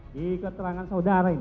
di keterangan saudara ini